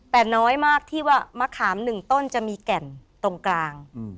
แต่น้อยมากที่ว่ามะขาม๑ต้นจะมีแก่นตรงกลาง